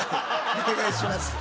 お願いします。